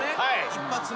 一発目。